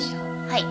はい。